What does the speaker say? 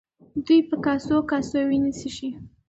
دوی په کاسو کاسو وینې څښي.